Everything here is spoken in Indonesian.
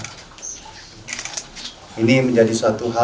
ini menjadi satu hal yang sangat mendalam bagi kami dan ini menjadi satu titik bahwa